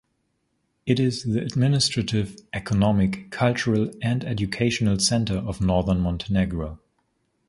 It is the administrative, economic, cultural and educational centre of northern Montenegro.